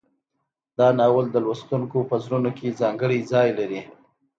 دا ناول د لوستونکو په زړونو کې ځانګړی ځای لري.